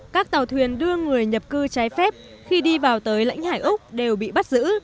các tàu thuyền đưa người nhập cư trái phép khi đi vào tới lãnh hải úc đều bị bắt giữ